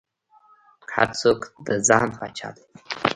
هر څوک د ځان پاچا دى.